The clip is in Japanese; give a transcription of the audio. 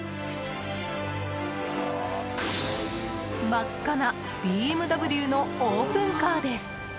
真っ赤なＢＭＷのオープンカーです。